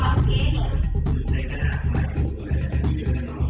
สวัสดีครับวันนี้เราจะกลับมาเมื่อไหร่